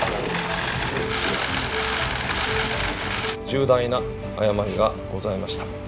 重大な誤りがございました。